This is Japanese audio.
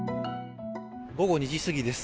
午後２時過ぎです。